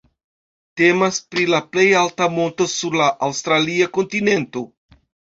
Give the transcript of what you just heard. Temas pri la plej alta monto sur la aŭstralia kontinento.